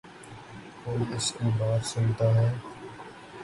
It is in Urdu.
کوئی اس کی بات سنتا ہے۔